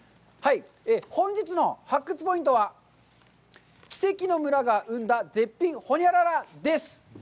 本日の発掘ポイントは、「奇跡の村が生んだ絶品○○○○」です。